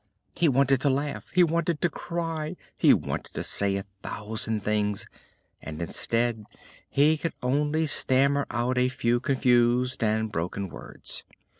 He wanted to laugh, he wanted to cry, he wanted to say a thousand things, and instead he could only stammer out a few confused and broken words.